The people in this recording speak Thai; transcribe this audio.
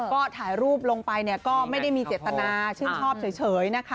ก็ถ่ายรูปลงไปก็ไม่ได้มีเจตนาชื่นชอบเฉยนะคะ